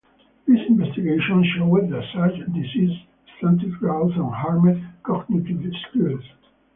These investigations showed that such diseases stunted growth and harmed cognitive skills.